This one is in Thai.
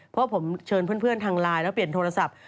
เพราะผมเชิญเพื่อนทางไลน์แล้วเปลี่ยนโทรศัพท์